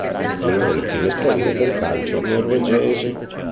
Fu una delle prime stelle del calcio norvegese.